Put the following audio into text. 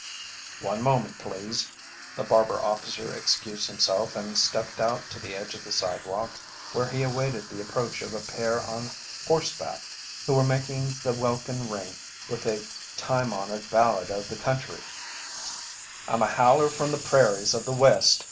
"One moment, please." The barber officer excused himself and stepped out to the edge of the sidewalk, where he awaited the approach of a pair on horseback who were making the welkin ring with a time honoured ballad of the country: I'm a howler from the prairies of the West.